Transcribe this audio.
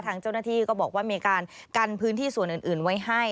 ทางเจ้าหน้าที่ก็บอกว่ามีการกันพื้นที่ส่วนอื่นไว้ให้